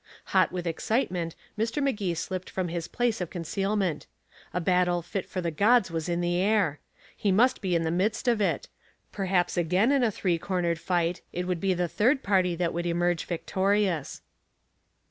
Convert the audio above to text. Hot with excitement, Mr. Magee slipped from his place of concealment. A battle fit for the gods was in the air. He must be in the midst of it perhaps again in a three cornered fight it would be the third party that would emerge victorious.